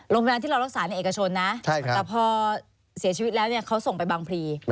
เวลาที่เรารักษาในเอกชนนะแต่พอเสียชีวิตแล้วเนี่ยเขาส่งไปบางพลี